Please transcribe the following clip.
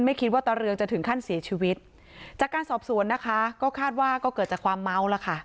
คิดว่าตาเรืองจะถึงขั้นเสียชีวิตจากการสอบสวนนะคะก็คาดว่าก็เกิดจากความเมาแล้วค่ะ